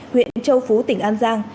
huyện châu phú tỉnh an giang